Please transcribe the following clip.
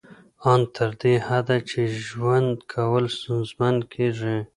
ان تر دې حده چې ژوند کول ستونزمن کیږي